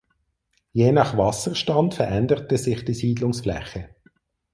Je nach Wasserstand veränderte sich die Siedlungsfläche.